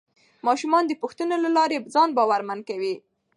ماشومان د پوښتنو له لارې ځان باورمن کوي